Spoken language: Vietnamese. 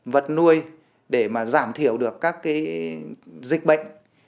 vật nuôi để mà giảm thiểu được các cái dịch bệnh